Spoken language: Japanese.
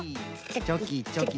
チョキチョキ。